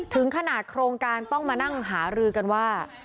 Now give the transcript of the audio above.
ถึงขนาดโครงการต้องมานั่งหารือกันว่า